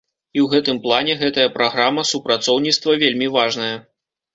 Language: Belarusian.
І ў гэтым плане гэтая праграма супрацоўніцтва вельмі важная.